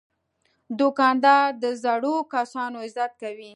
دوکاندار د زړو کسانو عزت کوي.